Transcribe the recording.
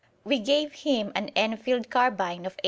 We gave him an Enfield carbine of 1863.